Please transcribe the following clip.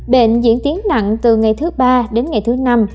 bệnh diễn tiến nặng từ ngày thứ ba đến ngày thứ năm